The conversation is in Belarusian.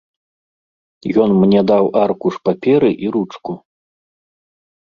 Ён мне даў аркуш паперы і ручку.